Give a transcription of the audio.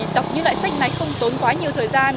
đọc như loại sách này không tốn quá nhiều thời gian